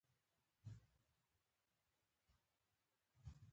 ځینې درمل د کولمو انتانات کموي.